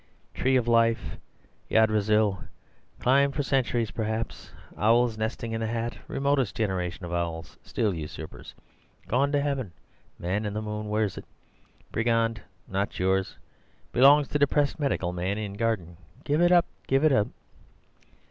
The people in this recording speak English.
"Tree of life... Ygdrasil... climb for centuries perhaps... owls nesting in the hat... remotest generations of owls... still usurpers... gone to heaven... man in the moon wears it... brigand... not yours... belongs to depressed medical man... in garden... give it up... give it up!"